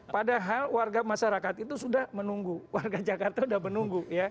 padahal warga masyarakat itu sudah menunggu warga jakarta sudah menunggu